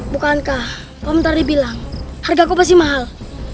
bukankah paman tadi bilang harga kau pasti mahal